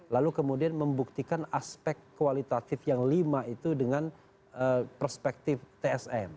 lalu kemudian membuktikan aspek kualitatif yang lima itu dengan perspektif tsm